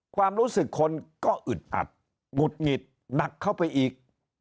ความรู้สึกคนก็อึดอัดหงุดหงิดหนักเข้าไปอีก